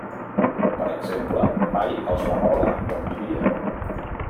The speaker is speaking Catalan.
Per exemple, mai els va revelar on vivia.